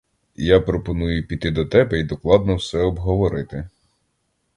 Я пропоную піти до тебе й докладно все обговорити.